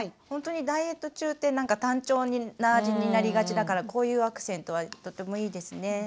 本当にダイエット中ってなんか単調な味になりがちだからこういうアクセントはとてもいいですね。